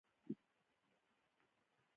څنګه کولی شم د یوټیوب چینل جوړ او مشهور کړم